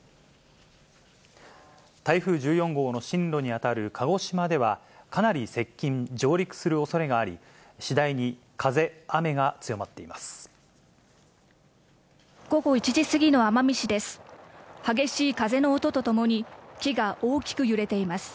台風１４号の進路に当たる鹿児島では、かなり接近、上陸するおそれがあり、次第に風、雨が強まっています。